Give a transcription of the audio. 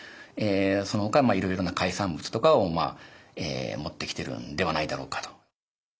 そのほかいろいろな海産物とかを持ってきてるんではないだろうかと。